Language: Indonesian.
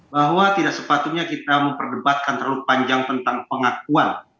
bahwa tidak sepatutnya kita memperdebatkan terlalu panjang tentang pengakuan